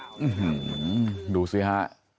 อื้อหือดูสิฮะ